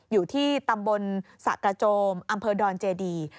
อยู่ที่ตำบลสะกระโจมอำเภอดอนเจดี